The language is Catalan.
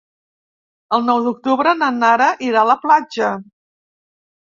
El nou d'octubre na Nara irà a la platja.